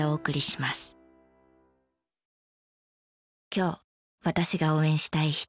今日私が応援したい人。